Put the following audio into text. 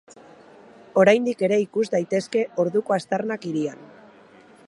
Oraindik ere ikus daitezke orduko aztarnak hirian.